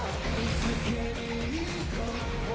「見つけに行こう」